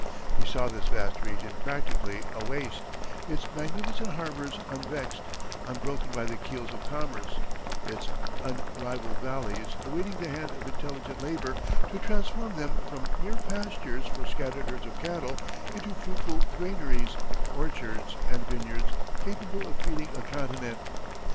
He saw this vast region practically a waste; its magnificent harbors unvexed, unbroken by the keels of commerce; its unrivalled valleys awaiting the hand of intelligent labor to transform them from mere pastures for scattered herds of cattle into fruitful granaries, orchards, and vineyards capable of feeding a continent.